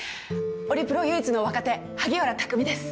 オリプロ唯一の若手萩原匠です。